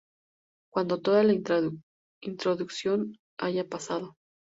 Cuando toda la introducción haya pasado.